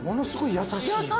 優しい。